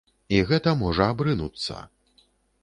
І гэта можа абрынуцца!